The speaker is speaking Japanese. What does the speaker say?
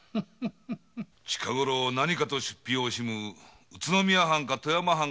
近ごろ何かと出費を惜しむ宇都宮藩か富山藩がよろしいかと。